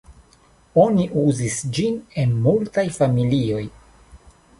Oni uzis ĝin en multaj familioj.